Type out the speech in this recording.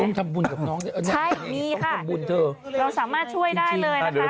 มึงทำบุญกับน้องเนี่ยใช่มีค่ะเราสามารถช่วยได้เลยนะคะ